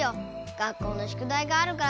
学校のしゅくだいがあるからさ。